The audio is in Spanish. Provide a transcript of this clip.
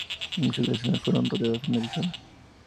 Muchas de las escenas fueron rodadas en Arizona.